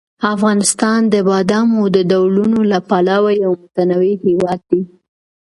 افغانستان د بادامو د ډولونو له پلوه یو متنوع هېواد دی.